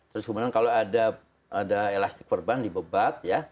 terus kemudian kalau ada elastik korban di bebat ya